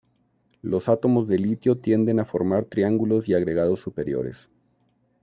Los átomos de litio tienden a formar triángulos y agregados superiores.